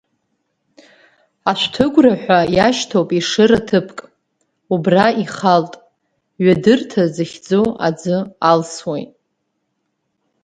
Ашәҭыгәра ҳәа иашьҭоуп Ешыра ҭыԥк, убра ихалт, Ҩадырҭа захьӡу аӡы алсуеит.